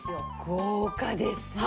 豪華ですね。